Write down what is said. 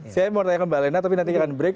saya mau tanya ke mbak lena tapi nanti akan break